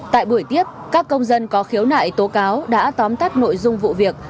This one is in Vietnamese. tại buổi tiếp các công dân có khiếu nại tố cáo đã tóm tắt nội dung vụ việc